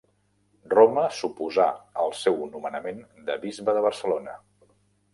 Roma s'oposà al seu nomenament de bisbe de Barcelona.